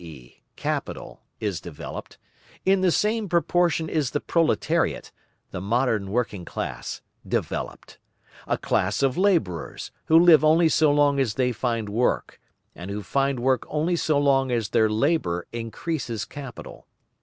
e_., capital, is developed, in the same proportion is the proletariat, the modern working class, developed—a class of labourers, who live only so long as they find work, and who find work only so long as their labour increases capital.